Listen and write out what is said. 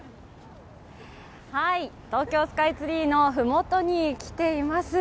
東京スカイツリーの麓に来ています。